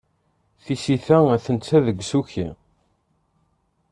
Tisita atenta deg usuki.